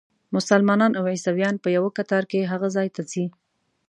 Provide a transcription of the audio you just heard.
مسلمانان او عیسویان په یوه کتار کې هغه ځای ته ځي.